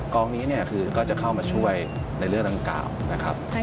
กองนี้เนี่ยคือก็จะเข้ามาช่วยในเรื่องดังกล่าวนะครับ